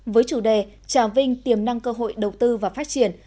với chủ đề trà vinh tiềm năng cơ hội đầu tư và phát triển